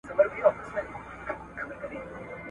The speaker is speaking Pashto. هرساعت تیرپه بیلتون سو.